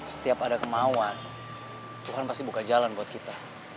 setiap ada kemauan tuhan pasti buka jalan buat kita